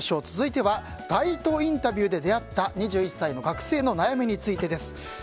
続いては街頭インタビューで出会った２１歳の学生の悩みについてです。